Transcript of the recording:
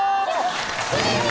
ついに！